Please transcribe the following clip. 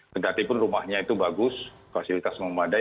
tentatipun rumahnya itu bagus fasilitas memadai